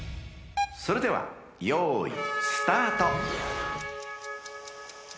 ［それではよいスタート］